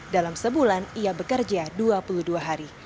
dalam sebulan ia bekerja dua puluh dua hari